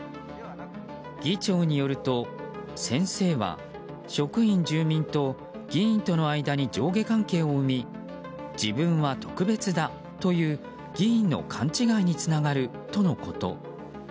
議長によると先生は、職員・住民と議員との間に上下関係を生み自分は特別だという議員の勘違いにつながるとのこと。